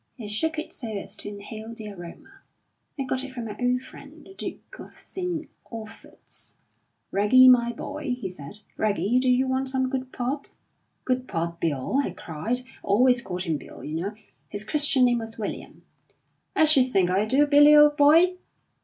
He shook it so as to inhale the aroma. "I got it from my old friend, the Duke of St. Olphert's. 'Reggie, my boy,' he said 'Reggie, do you want some good port?' 'Good port, Bill!' I cried I always called him Bill, you know; his Christian name was William 'I should think I do, Billy, old boy.'